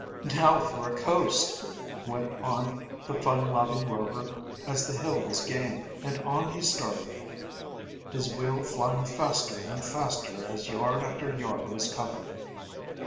"Now for a coast!" went on the fun loving Rover, as the hill was gained, and on he started, his wheel flying faster and faster as yard after yard was covered.